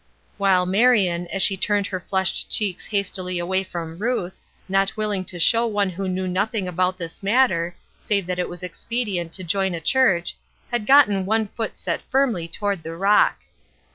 While Marion, as she turned her flushed cheeks hastily away from Ruth, not willing to show one who knew nothing about this matter, save that it was expedient to join a church, had gotten one foot set firmly toward the rock.